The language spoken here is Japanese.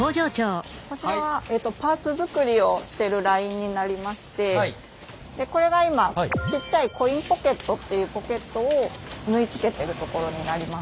こちらはパーツ作りをしてるラインになりましてこれが今ちっちゃいコインポケットっていうポケットを縫いつけてるところになります。